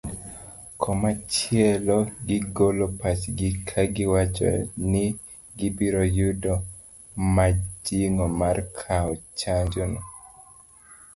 Komachielo gigolo pachgi kagiwacho ni gibiro yudo mijing'o mar kao chanjo no